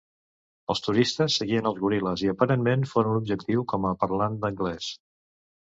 Els turistes seguien als goril·les i aparentment foren objectiu com a parlants d'anglès.